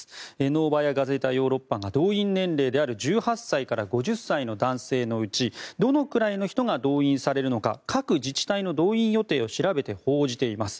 ノーバヤ・ガゼータ・ヨーロッパが動員年齢である１８歳から５０歳の男性のうちどのくらいの人が動員されるのか各自治体の動員予定を調べて報じています。